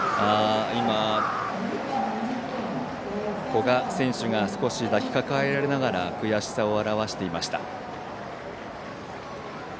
古賀選手が抱きかかえられながら悔しさを表していました。